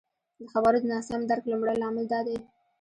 د خبرو د ناسم درک لمړی لامل دادی